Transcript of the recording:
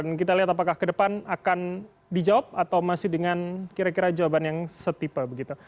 dan kita lihat apakah ke depan akan dijawab atau masih dengan kira kira jawaban yang setipe begitu